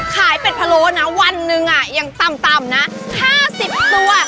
ขายเป็ดผลโหลนะวันหนึ่งอ่ะยังต่ำต่ำนะห้าสิบตัว